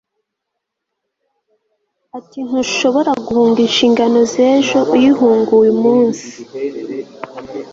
Ati Ntushobora guhunga inshingano zejo uyihunga uyu munsi